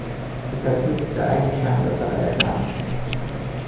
Deshalb nützt der eigene Scheinwerfer leider gar nichts.